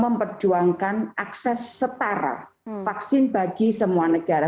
memperjuangkan akses setara vaksin bagi semua negara